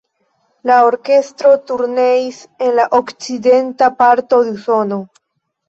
La orkestro turneis en la okcidenta parto de Usono.